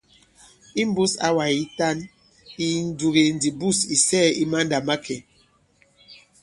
Imbūs awà yitan yi ǹnduge ndi bûs ì sɛɛ̄ i mandàmakè.